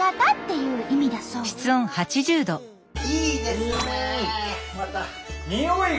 いいですねまた。